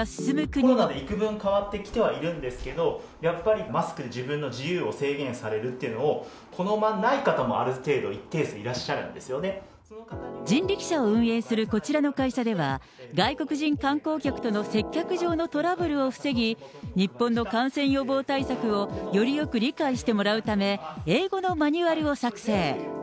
コロナでいくぶん変わってきてはいるんですけれども、やっぱりマスク、自分の自由を制限されるというのを好まない方もある程度、一定数人力車を運営するこちらの会社では、外国人観光客との接客上のトラブルを防ぎ、日本の感染予防対策をよりよく理解してもらうため、英語のマニュアルを作成。